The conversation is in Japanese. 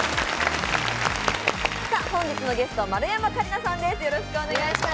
本日のゲスト、丸山桂里奈さんです。